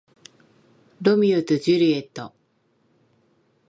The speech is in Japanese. ロミオとジュリエット